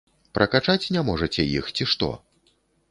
Пракачаць не можаце іх ці што?